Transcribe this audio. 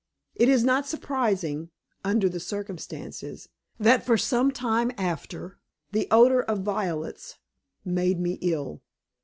It is not surprising, under the circumstances, that for some time after the odor of violets made me ill.